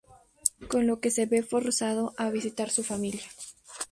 Con lo que se ve forzado a visitar a su familia.